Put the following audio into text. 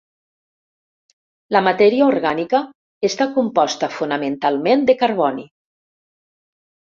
La matèria orgànica està composta fonamentalment de carboni.